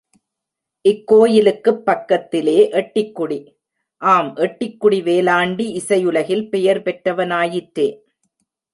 இக் கோயிலுக்குப் பக்கத்திலே எட்டிக்குடி.. ஆம், எட்டிக் குடி வேலாண்டி இசை உலகில் பெயர் பெற்றவனாயிற்றே.